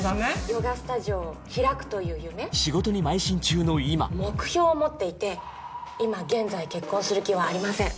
ヨガスタジオを開くという夢仕事にまい進中の今目標を持っていて今現在結婚する気はありません